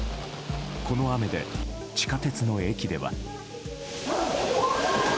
この雨で地下鉄の駅では。